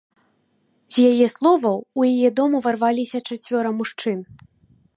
З яе словаў, у яе дом уварваліся чацвёра мужчын.